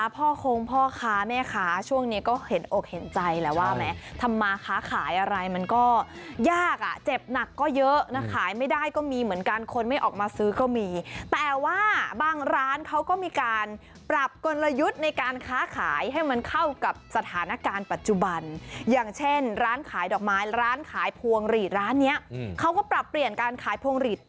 พ่อคงพ่อค้าแม่ค้าช่วงนี้ก็เห็นอกเห็นใจแล้วว่าแม้ทำมาค้าขายอะไรมันก็ยากอ่ะเจ็บหนักก็เยอะนะขายไม่ได้ก็มีเหมือนกันคนไม่ออกมาซื้อก็มีแต่ว่าบางร้านเขาก็มีการปรับกลยุทธ์ในการค้าขายให้มันเข้ากับสถานการณ์ปัจจุบันอย่างเช่นร้านขายดอกไม้ร้านขายพวงหลีดร้านนี้เขาก็ปรับเปลี่ยนการขายพวงหลีด